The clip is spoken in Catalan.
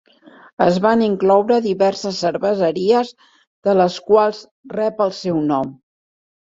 Es van incloure diverses cerveseries, de les quals rep el seu nom.